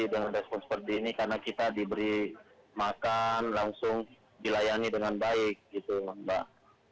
dengan respon seperti ini karena kita diberi makan langsung dilayani dengan baik gitu mbak